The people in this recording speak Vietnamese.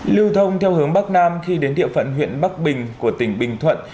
lưu thông theo hướng bắc nam khi đến địa phận huyện bắc bình của tỉnh bình thuận